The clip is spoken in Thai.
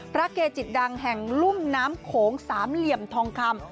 เกจิตดังแห่งลุ่มน้ำโขงสามเหลี่ยมทองคำ